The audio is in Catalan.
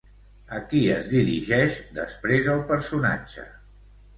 A qui es dirigeix després el personatge?